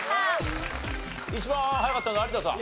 一番早かったのは有田さん。